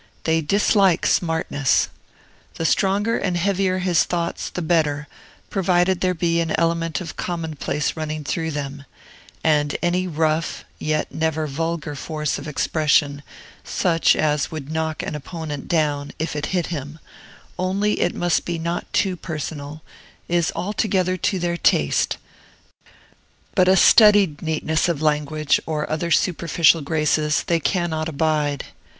They dislike smartness. The stronger and heavier his thoughts, the better, provided there be an element of commonplace running through them; and any rough, yet never vulgar force of expression, such as would knock an opponent down, if it hit him, only it must not be too personal, is altogether to their taste; but a studied neatness of language, or other such superficial graces, they cannot abide.